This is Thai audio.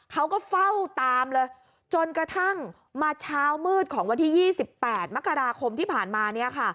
เขาก็เฝ้าตามเลยจนกระทั่งมาเช้ามืดของวันที่๒๘มกราคมที่ผ่านมาเนี่ยค่ะ